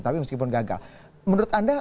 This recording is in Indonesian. tapi meskipun gagal menurut anda